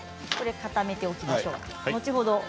固めておきましょう。